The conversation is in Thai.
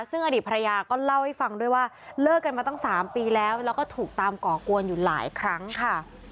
ซึ่งอดีตภรรยาก็เล่าให้ฟังด้วยว่าเลิกกันมาตั้ง๓ปีแล้วแล้วก็ถูกตามก่อกวนอยู่หลายครั้งค่ะ